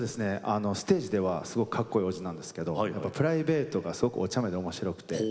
ステージではすごくかっこいいおじなんですけどプライベートがすごくおちゃめで面白くて。